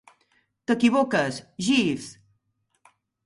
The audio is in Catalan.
T'equivoques, Jeeves.